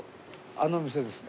あの店ですね。